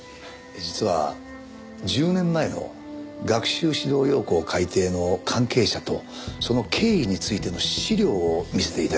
実は１０年前の学習指導要領改訂の関係者とその経緯についての資料を見せて頂きたくて。